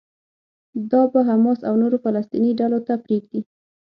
دا به حماس او نورو فلسطيني ډلو ته پرېږدي.